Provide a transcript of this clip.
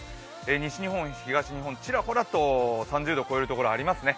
西日本、東日本、ちらほらと３０度を超えるところがありそうですね。